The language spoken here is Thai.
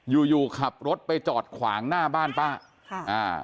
อยู่อยู่ขับรถไปจอดขวางหน้าบ้านป้าค่ะอ่า